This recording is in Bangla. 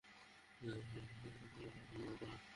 চার বছর আগে বিদ্যালয়টির নতুন একটি একতলা ভবন নির্মাণ করা হয়।